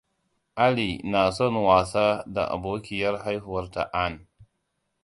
Ally na son wasa da abokiyar haihuwarta Anne.